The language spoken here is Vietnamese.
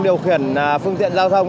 điều khiển phương tiện giao thông